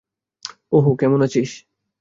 ও-হো, কেমন আছিস?